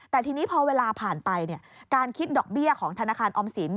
แต่ทีนี้พอเวลาผ่านไปการคิดดอกเบี้ยของธนาคารออมสิน